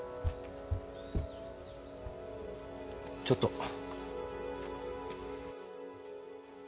ちょっと。